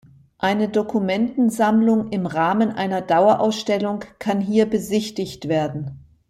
Eine Dokumentensammlung im Rahmen einer Dauerausstellung kann hier besichtigt werden.